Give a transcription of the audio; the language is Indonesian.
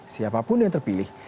siapapun yang terpilih